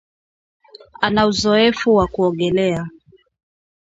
Ana uzoefu wa kuogelea